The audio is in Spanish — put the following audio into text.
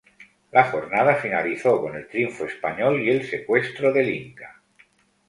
La jornada finalizó con el triunfo español y el secuestro del inca.